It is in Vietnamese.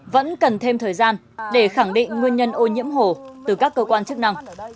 vẫn cần thêm thời gian để khẳng định nguyên nhân ô nhiễm hồ từ các cơ quan chức năng